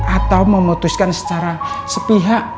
atau memutuskan secara sepihak